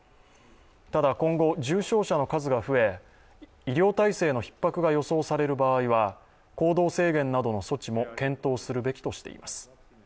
ただ今後、重症者の数が増え、医療体制のひっ迫が予想させる場合は行動制限などの措置も検討するべきとしています。